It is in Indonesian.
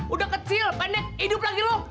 udah kecil pendek hidup lagi loh